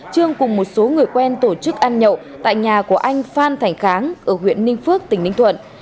trương cùng một số người quen tổ chức ăn nhậu tại nhà của anh phan thành kháng ở huyện ninh phước tỉnh ninh thuận